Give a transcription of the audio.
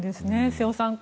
瀬尾さん